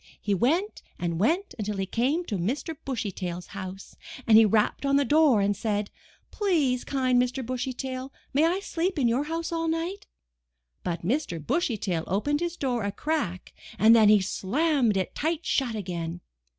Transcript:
He went and went until he came to Mr. Bushy Tail's house, and he rapped on the door and said: 'Tlease, kind Mr. Bushy Tail, may I sleep in your house all night?" But Mr. Bushy Tail opened his door a crack and then he slammed it tight shut again.